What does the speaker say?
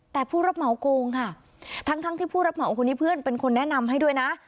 แต่ผู้รับเหมาโกงค่ะทั้งทั้งที่ผู้รับเหมาคนนี้เพื่อนเป็นคนแนะนำให้ด้วยนะ